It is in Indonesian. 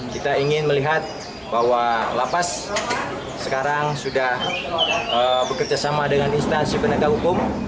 kita ingin melihat bahwa lapas sekarang sudah bekerjasama dengan instansi penegak hukum